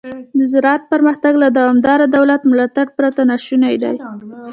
د زراعت پرمختګ له دوامداره دولت ملاتړ پرته ناشونی دی.